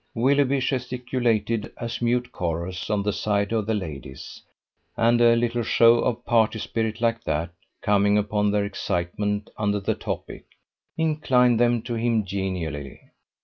Willoughby gesticulated as mute chorus on the side of the ladies; and a little show of party spirit like that, coming upon their excitement under the topic, inclined them to him genially.